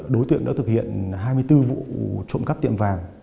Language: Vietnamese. đối tượng đã thực hiện hai mươi bốn vụ trộm cắp tiệm vàng